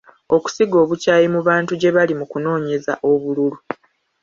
Okusiga obukyayi mu bantu gye bali mu kunoonyeza obululu.